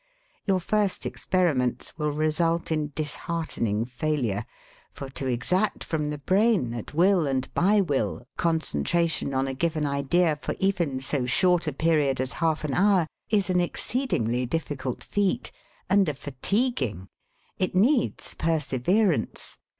Your first experiments will result in disheartening failure, for to exact from the brain, at will and by will, concentration on a given idea for even so short a period as half an hour is an exceedingly difficult feat and a fatiguing! It needs perseverance.